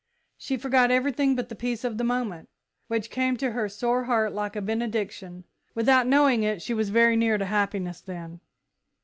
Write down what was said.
She forgot everything but the peace of the moment, which came to her sore heart like a benediction. Without knowing it, she was very near to happiness then.